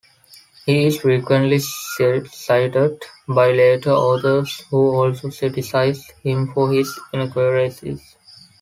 He is frequently cited by later authors, who also criticize him for his inaccuracies.